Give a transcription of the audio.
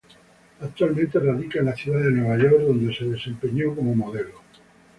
Actualmente, radica en la ciudad de Nueva York donde se desempeña como modelo.